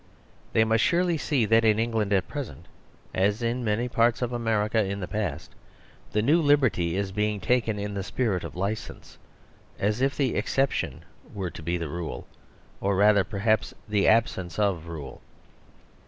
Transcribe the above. They must surely see that in England at present, as in many parts of America in the past, the new liberty is being taken in the spirit of licence as if the exception were to be the rule, or, rather, perhaps the absence of rule.